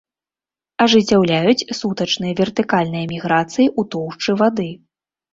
Ажыццяўляюць сутачныя вертыкальныя міграцыі ў тоўшчы вады.